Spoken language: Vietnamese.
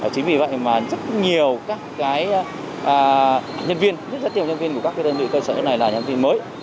chính vì vậy mà rất nhiều các nhân viên rất nhiều nhân viên của các đơn vị cơ sở này là nhân viên mới